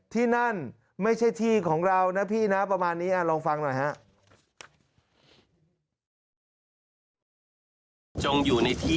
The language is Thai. ที่นั่นไม่ใช่ที่ของเรานะพี่นะประมาณนี้ลองฟังหน่อยฮะ